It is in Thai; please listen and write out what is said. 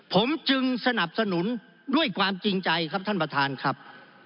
ผมจึงสนับสนุนด้วยความจริงใจครับท่านประธานครับ